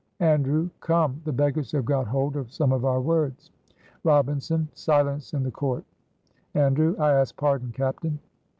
Andrew. "Come! the beggars have got hold of some of our words!" Robinson. "Silence in the court!" Andrew. "I ask pardon, captain."